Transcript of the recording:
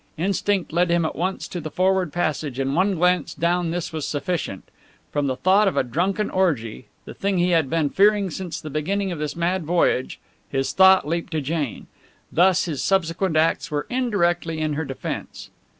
Instinct led him at once to the forward passage, and one glance down this was sufficient. From the thought of a drunken orgy the thing he had been fearing since the beginning of this mad voyage his thought leaped to Jane. Thus his subsequent acts were indirectly in her defense.